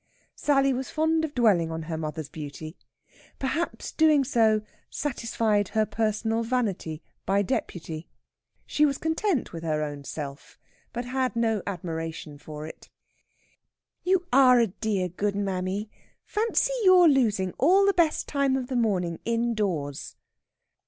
Sally was fond of dwelling on her mother's beauty. Perhaps doing so satisfied her personal vanity by deputy. She was content with her own self, but had no admiration for it. "You are a dear good mammy. Fancy your losing all the best time of the morning indoors!"